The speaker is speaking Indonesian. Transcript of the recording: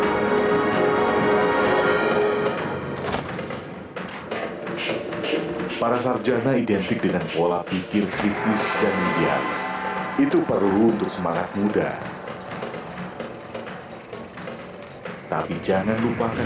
setiap pertani bekerja keras agar sang anak tersayang bisa memakai baju toga dan mendapat pekerjaan yang layak